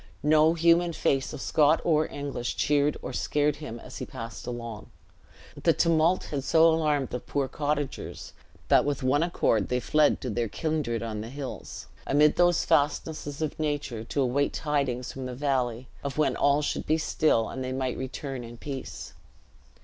No human face of Scot or English cheered or scared him as he passed along. The tumult had so alarmed the poor cottagers, that with one accord they fled to their kindred on the hills, amid those fastnesses of nature, to await tidings from the valley, of when all should be still, and they might return in peace.